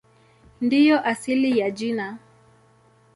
Ndiyo asili ya jina.